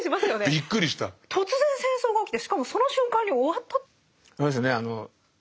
突然戦争が起きてしかもその瞬間に終わった。